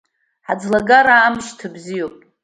Ҳаӡлагара амышьҭа бзиоуп.